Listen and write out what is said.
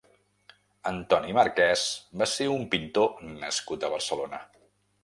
Antoni Marquès va ser un pintor nascut a Barcelona.